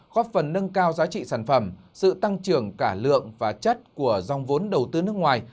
góp phần nâng cao giá trị sản phẩm sự tăng trưởng cả lượng và chất của dòng vốn đầu tư nước ngoài